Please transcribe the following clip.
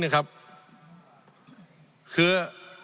คือ